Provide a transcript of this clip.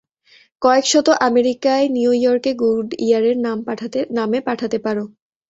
কয়েক শত আমেরিকায় নিউ ইয়র্কে গুডইয়ারের নামে পাঠাতে পার।